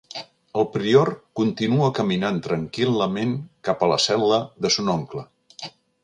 El prior continua caminant tranquil·lament cap a la cel·la de son oncle.